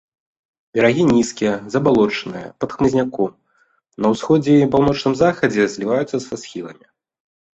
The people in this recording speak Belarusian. Берагі нізкія, забалочаныя, пад хмызняком, на ўсходзе і паўночным-захадзе зліваюцца са схіламі.